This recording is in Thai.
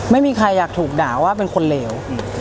ไม่มีใครอยากถูกด่าว่าเป็นคนเหลว